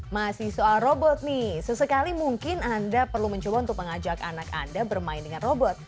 masih soal robot nih sesekali mungkin anda perlu mencoba untuk mengajak anak anda bermain dengan robot